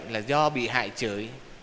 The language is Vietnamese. là do bị hại chửi